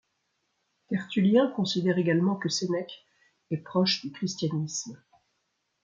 Tertullien considère également que Sénèque est proche du christianisme.